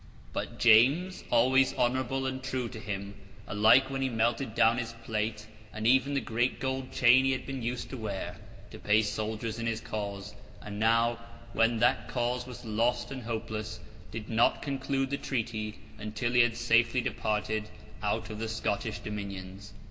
But James (always honourable and true to him, alike when he melted down his plate, and even the great gold chain he had been used to wear, to pay soldiers in his cause; and now, when that cause was lost and hopeless) did not conclude the treaty, until he had safely departed out of the Scottish dominions.